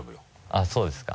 あっそうですか？